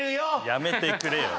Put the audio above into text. やめてくれよ。